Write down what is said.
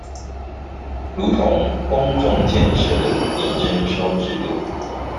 如同公眾建設的土地徵收制度